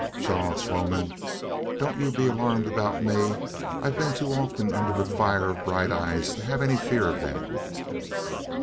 "Pshaw, Sloman! don't you be alarmed about me. I've been too often under the fire of bright eyes to have any fear of them."